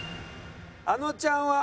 あのちゃんは？